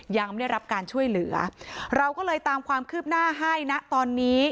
ยังไม่ได้รับการช่วยเหลือเราก็เลยตามความคืบหน้าให้นะตอนนี้